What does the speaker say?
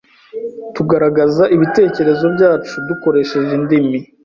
Tugaragaza ibitekerezo byacu dukoresheje indimi.